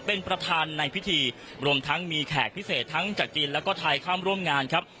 เป็นประธานในพิธีรวมทั้งมีแขกพิเศษทั้งจากจีนแล้วก็ไทยข้ามร่วมงานครับ